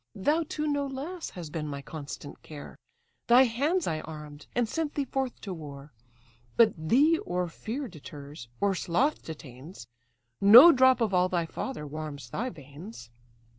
Thou too no less hast been my constant care; Thy hands I arm'd, and sent thee forth to war: But thee or fear deters, or sloth detains; No drop of all thy father warms thy veins."